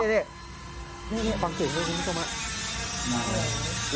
นี่ฟังเสียงด้วยล